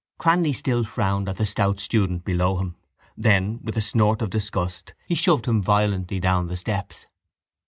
Cranly still frowned at the stout student below him. Then, with a snort of disgust, he shoved him violently down the steps.